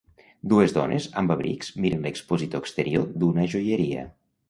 Dues dones amb abrics miren l'expositor exterior d'una joieria.